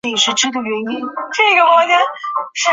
所有足股节中段些许膨大。